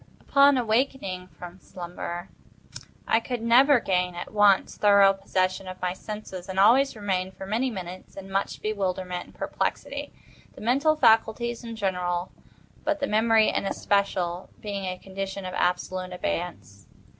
Upon awaking from slumber, I could never gain, at once, thorough possession of my senses, and always remained, for many minutes, in much bewilderment and perplexity—the mental faculties in general, but the memory in especial, being in a condition of absolute abeyance.